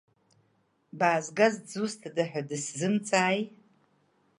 Баазгаз дзусҭада ҳәа дысзымҵааи.